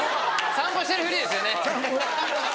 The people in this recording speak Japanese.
散歩してるふりですよね。